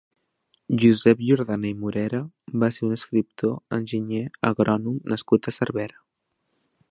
Josep Jordana i Morera va ser un escriptor enginyer agrònom nascut a Cervera.